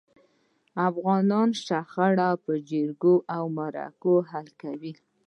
افغانان شخړي په جرګو او مرکو حل کوي.